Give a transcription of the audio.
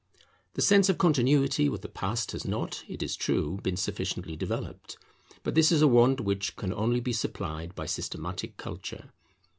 The sense of Continuity with the past has not, it is true, been sufficiently developed; but this is a want which can only be supplied by systematic culture.